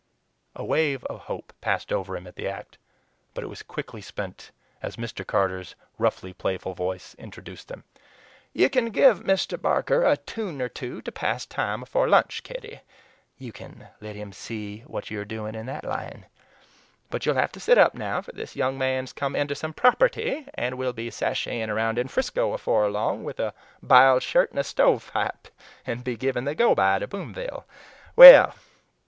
A wave of hope passed over him at the act, but it was quickly spent as Mr. Carter's roughly playful voice introduced him: "Ye kin give Mr. Barker a tune or two to pass time afore lunch, Kitty. You kin let him see what you're doing in that line. But you'll have to sit up now, for this young man's come inter some property, and will be sasheying round in 'Frisco afore long with a biled shirt and a stovepipe, and be givin' the go by to Boomville. Well!